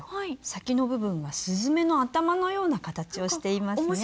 先の部分が雀の頭のような形をしていますね。